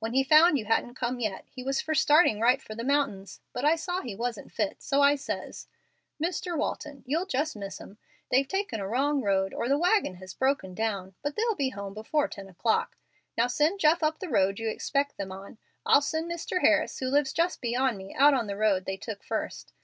When he found you hadn't come yet, he was for starting right for the mountains, but I saw he wasn't fit, so I says, 'Mr. Walton, you'll just miss 'em. They've taken a wrong road, or the wagon has broken down, but they'll be home before ten o'clock. Now send Jeff up the road you expected them on. I'll send Mr. Harris, who lives just beyond me, out on the road they took first.